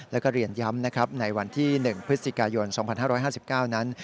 และเรียนย้ำในวันที่๑พฤศจิกายน๒๕๕๙นั้น